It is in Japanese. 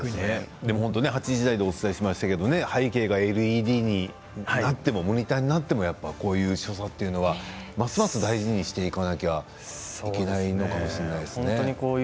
背景がＬＥＤになってもモニターになっても、こういう所作というのはますます大事にしていかなきゃいけないのかもしれないですね。